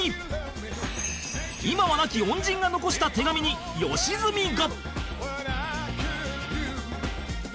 今は亡き恩人が残した手紙に良純が